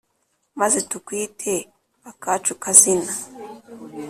Maze tukwite akacu kazina